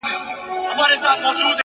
مثبت فکر د وېرې اغېز کموي.